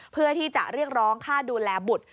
เพื่อที่จะเรียกร้องค่าดูแลบุตร